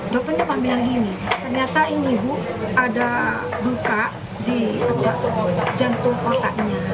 dokternya pak bilang gini ternyata ini bu ada luka di jantung otaknya